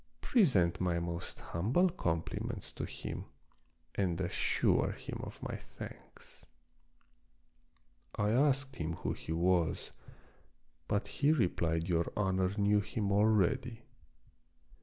Present my most humble compliments to him and assure him of my thanks.' I asked him who he was, but he replied your honor knew him already."